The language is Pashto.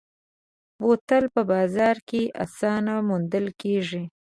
بوتل په بازار کې اسانه موندل کېږي.